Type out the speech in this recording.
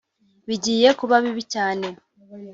“Bigiye kuba bibi cyane